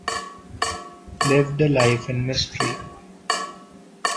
Lived a life in mystery.